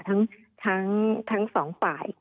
ทั้ง๒ฝ่าย